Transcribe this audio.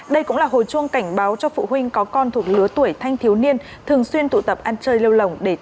đây cũng là hồi chuông cảnh báo cho phụ huynh có con thuộc lứa tuổi thanh thiếu niên thường xuyên tụ tập ăn chơi lâu lòng để tăng cường quản lý giáo dục con em mình